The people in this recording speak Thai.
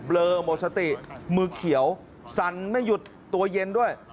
เลอหมดสติมือเขียวสั่นไม่หยุดตัวเย็นด้วย